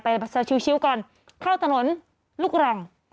แซวชิลก่อนเข้าถนนลูกรัง